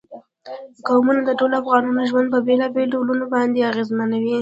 قومونه د ټولو افغانانو ژوند په بېلابېلو ډولونو باندې اغېزمنوي.